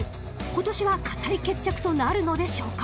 ［今年は堅い決着となるのでしょうか］